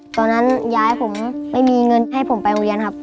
ตอนนั้นยายผมไม่มีเงินให้ผมไปโรงเรียนครับ